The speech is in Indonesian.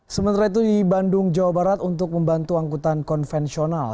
sementara itu di bandung jawa barat untuk membantu angkutan konvensional